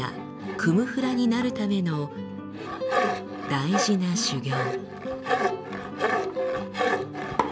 クム・フラになるための大事な修業。